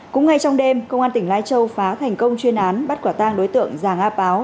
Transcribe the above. cũng ngay trong đêm công an tỉnh lai châu phá thành công chuyên án bắt quả tang đối tượng giàng a páo